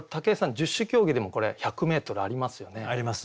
十種競技でもこれ１００メートルありますよね？